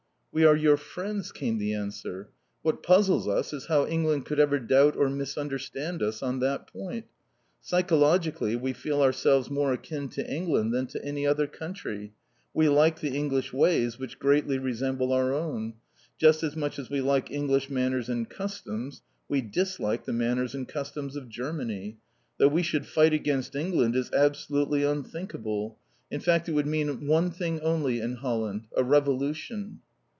"We are your friends," came the answer. "What puzzles us is how England could ever doubt or misunderstand us on that point. Psychologically, we feel ourselves more akin to England than to any other country. We like the English ways, which greatly resemble our own. Just as much as we like English manners and customs, we dislike the manners and customs of Germany. That we should fight against England is absolutely unthinkable. In fact it would mean one thing only, in Holland a revolution."